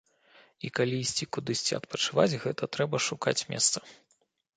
І калі ісці кудысьці адпачываць, гэта трэба шукаць месца.